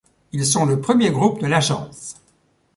Ils sont le premier groupe de l'agence.